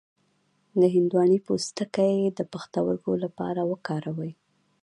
د هندواڼې پوستکی د پښتورګو لپاره وکاروئ